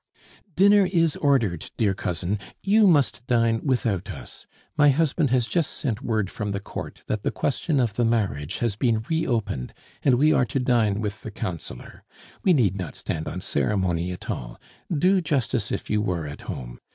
"Dinner is ordered, dear cousin; you must dine without us; my husband has just sent word from the court that the question of the marriage has been reopened, and we are to dine with the Councillor. We need not stand on ceremony at all. Do just as if you were at home.